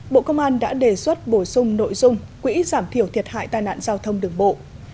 bộ công an đã đề xuất lập quỹ giảm thiểu thiệt hại tai nạn giao thông đường bộ